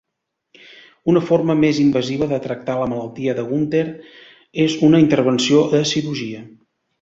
Una forma més invasiva de tractar la malaltia de Gunther és una intervenció de cirurgia.